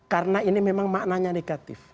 karena ini memang maknanya negatif